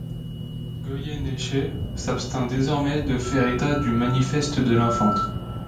Goyeneche s’abstint désormais de faire état du manifeste de l’infante.